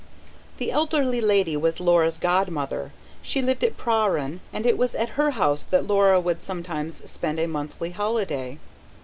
The elderly lady was Laura's godmother; she lived at Prahran, and it was at her house that Laura would sometimes spend a monthly holiday.